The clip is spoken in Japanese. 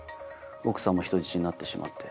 奥さんも人質になってしまって。